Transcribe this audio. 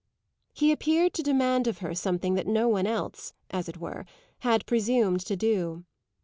He appeared to demand of her something that no one else, as it were, had presumed to do.